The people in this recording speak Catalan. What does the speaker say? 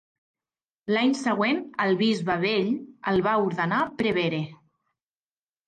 L'any següent, el Bisbe Bell el va ordenar prevere.